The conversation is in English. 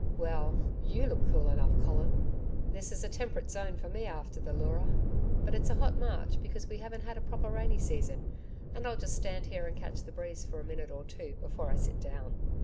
Well, YOU look cool enough, Colin.' 'This is temperate zone for me after the Leura.... But it's a hot March because we haven't had a proper rainy season, and I'll just stand here and catch the breeze for a minute or two before I sit down.'